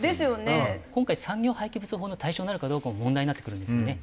今回産業廃棄物法の対象になるかどうかも問題になってくるんですよね。